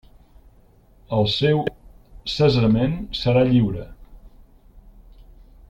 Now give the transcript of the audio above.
El seu cessament serà lliure.